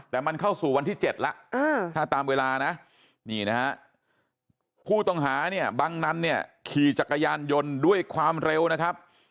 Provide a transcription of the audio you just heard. แต่มันเข้าสู่วันที่๗ละถ้าตามเวลานะผู้ต่องหาบางนั้นขี่จักรยานยนต์ด้วยความเร็วนะครับ